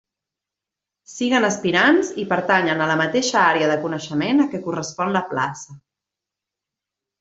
Siguen aspirants i pertanyen a la mateixa àrea de coneixement a què correspon la plaça.